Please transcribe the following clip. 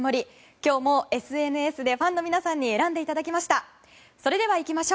今日もＳＮＳでファンの皆さんに選んでいただきました。